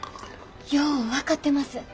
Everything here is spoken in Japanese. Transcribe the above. よう分かってます。